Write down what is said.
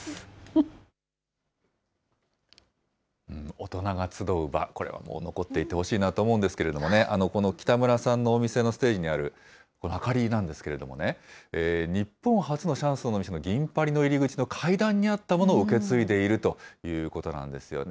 大人が集う場、これはもう、残っていってほしいなと思うんですけれどもね、この北村さんのお店のステージにあるこの明かりなんですけれどもね、日本初のシャンソンの店の銀巴里の入り口の階段にあったものを受け継いでいるということなんですよね。